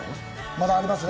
まだありますね。